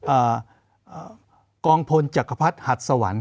เอ่อกองพลจักรพรรดิหัดสวรรค์